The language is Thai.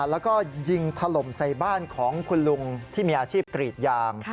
แล้วก็ยิงถล่มใส่บ้านของคุณลุงที่มีอาชีพกรีดยาง